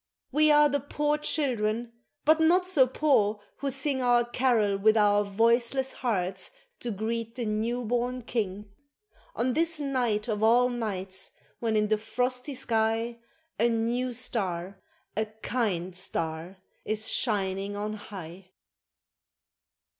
THE CAROL OF THE POOR CHILDREN We are the poor children, but not so poor who sing Our carol with our voiceless hearts to greet the new born king, On this night of all nights, when in the frosty sky A new star, a kind star is shining on high